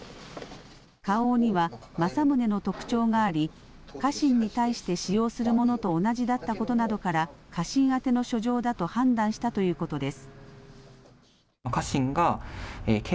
花押には政宗の特徴があり家臣に対して使用するものと同じだったことなどから家臣宛ての書状だと判断したということです。